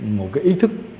một cái ý thức